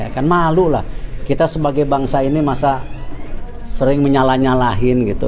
kan malu lah kita sebagai bangsa ini masa sering menyalah nyalahin gitu